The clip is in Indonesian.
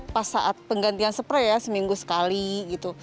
pas saat penggantian spray ya seminggu sekali gitu